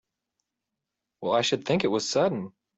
Well I should think it was sudden!